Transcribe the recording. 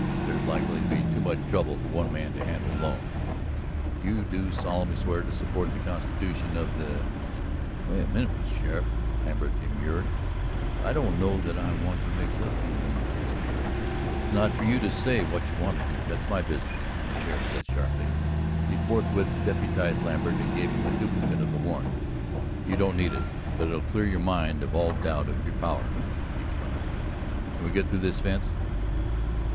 There's likely to be too much trouble for one man to handle alone. You do solemnly swear to support the constitution of the " "Wait a minute, Mr. Sheriff," Lambert demurred; "I don't know that I want to mix up in " "It's not for you to say what you want to do that's my business," the sheriff said sharply. He forthwith deputized Lambert, and gave him a duplicate of the warrant. "You don't need it, but it'll clear your mind of all doubt of your power," he explained. "Can we get through this fence?"